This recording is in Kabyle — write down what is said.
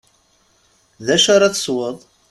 D acu ara tesweḍ?